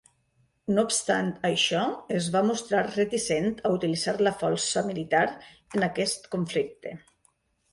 No obstant això, es va mostrar reticent a utilitzar la força militar en aquest conflicte.